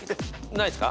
ないですか？